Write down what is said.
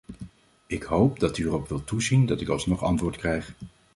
Ik hoop dat u erop wilt toezien dat ik alsnog antwoord krijg.